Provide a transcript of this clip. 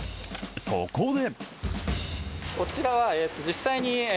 そこで。